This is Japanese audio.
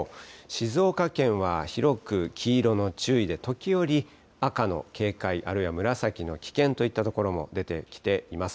静岡県は広く黄色の注意で、時折、赤の警戒、あるいは紫の危険といった所も出てきています。